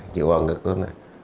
chịu vào ngực tôi